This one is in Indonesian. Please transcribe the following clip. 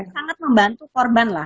sangat membantu korban lah